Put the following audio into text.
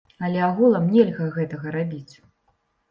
Але агулам нельга гэтага рабіць.